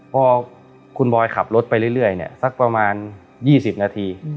เพราะว่าคุณบอยคิดขึ้นกลับรถไปเรื่อยเนี่ยสักประมาณ๒๐นาที